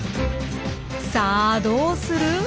さあどうする？